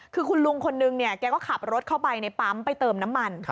คือคุณลุงคนนึงเนี่ยแกก็ขับรถเข้าไปในปั๊มไปเติมน้ำมัน